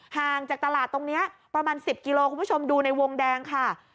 ห่างจากตลาดตรงนี้ประมาณ๑๐กิโลคุณผู้ชมดูในวงแดงค่ะ